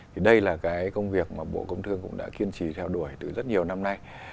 thì đây là cái công việc mà bộ công thương cũng đã kiên trì theo đuổi từ rất nhiều năm nay